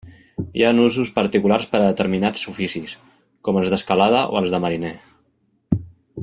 Hi ha nusos particulars per a determinats oficis, com els d'escalada o els de mariner.